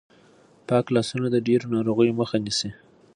پاک لاسونه د ډېرو ناروغیو مخه نیسي.